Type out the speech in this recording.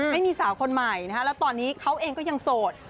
ไม่มีสาวคนใหม่นะฮะแล้วตอนนี้เขาเองก็ยังโสด